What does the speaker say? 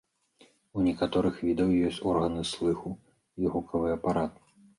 У некаторых відаў ёсць органы слыху і гукавы апарат.